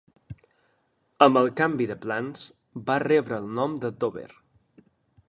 Amb el canvi de plans, va rebre el nom de Dover.